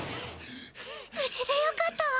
ぶじでよかったわ。